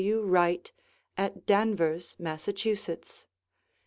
Wright at Danvers, Massachusetts.